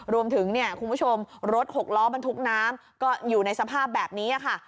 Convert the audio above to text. รวมถึงเนี่ยคุณผู้ชมรถหกล้อบรรทุกน้ำก็อยู่ในสภาพแบบนี้ค่ะ